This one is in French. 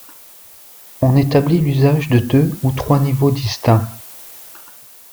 On établit l'usage de deux ou trois niveaux distincts.